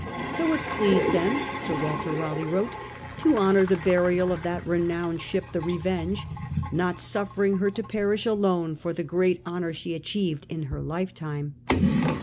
" So it pleased them," Sir Walter Raleigh wrote, " to honour the burial of that renowned ship the Bevenge, not suffering her to perish alone for the great honour she achieved in her lifetime."